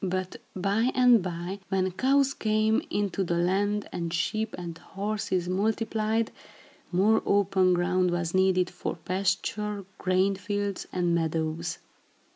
But by and by, when cows came into the land and sheep and horses multiplied, more open ground was needed for pasture, grain fields and meadows.